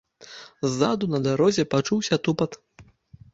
Ззаду на дарозе пачуўся тупат.